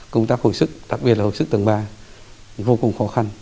công tác hồi sức đặc biệt là hồi sức tầng ba vô cùng khó khăn